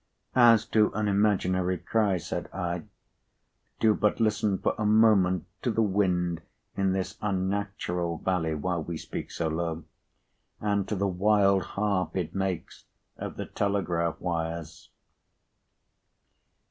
"As to an imaginary cry," said I, "do but listen for a moment to the wind in this unnatural valley while we speak so low, and to the wild harp it makes of the telegraph wires!"